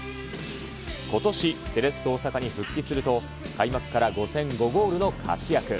ことし、セレッソ大阪に復帰すると、開幕から５戦５ゴールの活躍。